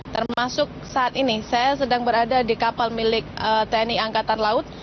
termasuk saat ini saya sedang berada di kapal milik tni angkatan laut